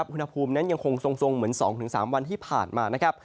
อุณหภูมินั้นยังคงทรงเหมือน๒๓วันที่ผ่านมานะครับ